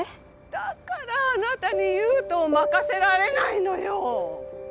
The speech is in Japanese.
だからあなたに優斗を任せられないのよ。